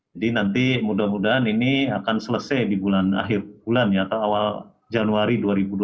jadi nanti mudah mudahan ini akan selesai di bulan akhir bulan ya atau awal januari dua ribu dua puluh satu